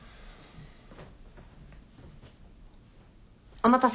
お待たせ。